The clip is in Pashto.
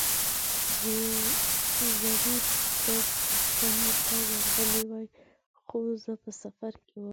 ضرور به پوښتنې ته درغلی وای، خو زه په سفر کې وم.